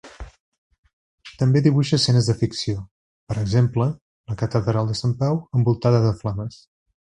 També dibuixa escenes de ficció, per exemple, la Catedral de Sant Pau envoltada de flames.